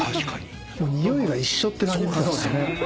においが一緒って感じですからね。